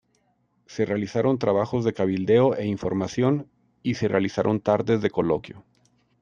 Se realizaron trabajos de cabildeo e información, y se realizaron tardes de coloquio.